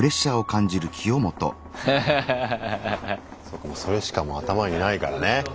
そうかそれしかもう頭にないからね。